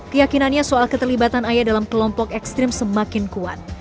keyakinannya soal keterlibatan ayah dalam kelompok ekstrim semakin kuat